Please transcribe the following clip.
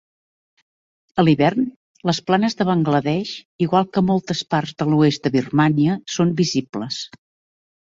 A l'hivern, les planes de Bangladesh, igual que moltes parts de l'oest de Birmània, són visibles.